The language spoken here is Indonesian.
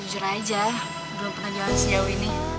jujur aja belum pernah jauh jauh ini